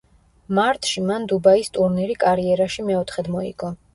მარტში მან დუბაის ტურნირი კარიერაში მეოთხედ მოიგო.